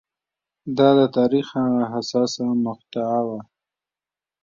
دا د تاریخ هغه حساسه مقطعه وه